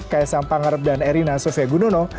kayasam pangarep dan erina sofya gununo